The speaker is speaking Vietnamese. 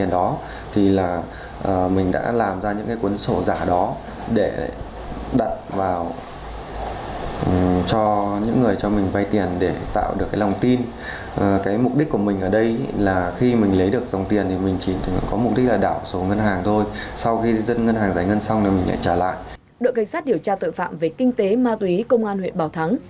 đội cảnh sát điều tra tội phạm về kinh tế ma túy công an huyện bảo thắng